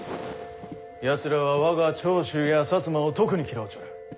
やつらは我が長州や摩を特に嫌うちょる。